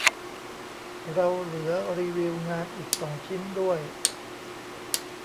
เราเหลือรีวิวงานอีกสองชิ้นด้วย